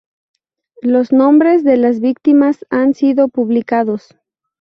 Los nombres de las víctimas han sido publicados.